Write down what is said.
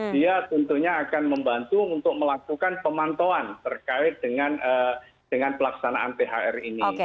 dia tentunya akan membantu untuk melakukan pemantauan terkait dengan pelaksanaan thr ini